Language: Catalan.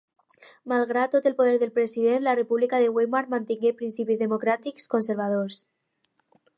Malgrat tot el poder del president, la República de Weimar mantingué principis democràtics conservadors.